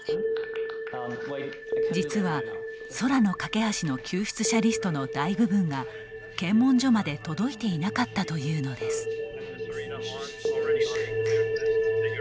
実は、空の架け橋の救出者リストの大部分が検問所まで届いていなかったというのです。